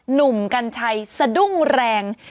หนุ่มกัญชัยสะดุ้งแรง